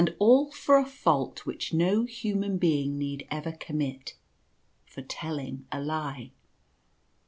127 all for a fault which no human being need ever commit — for telling a lie.